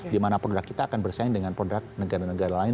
dimana produk kita akan bersaing dengan produk negara negara lain